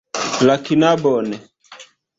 La knabon.